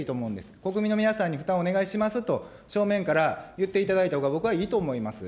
国民の皆さんに負担をお願いしますと正面から言っていただいたほうが、僕はいいと思います。